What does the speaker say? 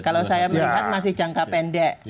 kalau saya melihat masih jangka pendek